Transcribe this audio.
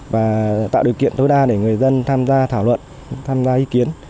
và tạo điều kiện tối đa để người dân tham gia thảo luận tham gia ý kiến